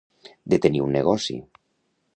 Detenir un negoci.